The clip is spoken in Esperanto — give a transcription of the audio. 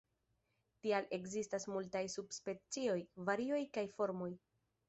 Tial ekzistas multaj subspecioj, varioj kaj formoj.